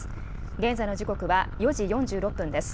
現在の時刻は４時４６分です。